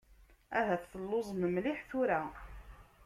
Ahat telluẓem mliḥ tura.